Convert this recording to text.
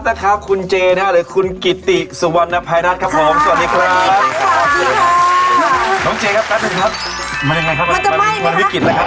แบบหน้าเนี้ยยอดภิกษ์อะไรน่ะใช่ไหมคะ